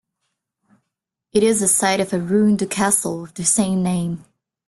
It is the site of a ruined castle of the same name.